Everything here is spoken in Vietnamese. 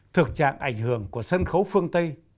thực trạng ảnh hưởng của sân khấu phương tây